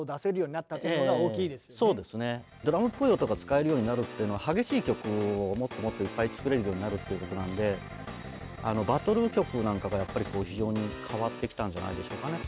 ドラムっぽい音が使えるようになるっていうのは激しい曲をもっともっといっぱい作れるようになるっていうことなんでバトル曲なんかがやっぱり非常に変わってきたんじゃないでしょうかね。